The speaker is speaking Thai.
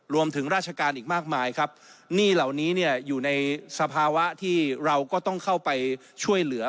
รวมถึงราชการอีกมากมายครับหนี้เหล่านี้เนี่ยอยู่ในสภาวะที่เราก็ต้องเข้าไปช่วยเหลือ